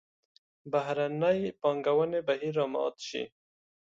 بهرنۍ پانګونې بهیر را مات شي.